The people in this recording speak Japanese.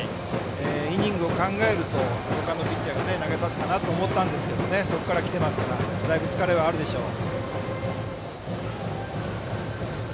イニングを考えると他のピッチャーを投げさせるかなと思ったんですがそこからきていますからだいぶ疲れはあるでしょう。